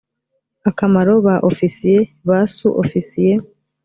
akamaro ba ofisiye ba su ofisiye